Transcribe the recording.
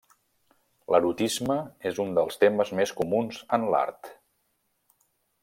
L'erotisme és un dels temes més comuns en l'art.